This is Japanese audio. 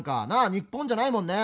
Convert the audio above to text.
日本じゃないもんね。